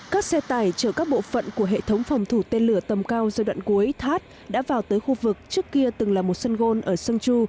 các xe tải chở các bộ phận của hệ thống phòng thủ tên lửa tầm cao giai đoạn cuối thắt đã vào tới khu vực trước kia từng là một sân gôn ở sân chu